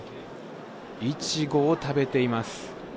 イチゴを食べています。